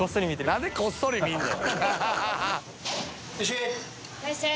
何でこっそり見るねん